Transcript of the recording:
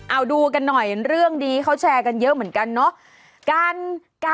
เอาดูกันหน่อยเรื่องนี้เขาแชร์กันเยอะเหมือนกันเนาะ